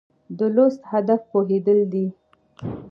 د لوست هدف پوهېدل دي.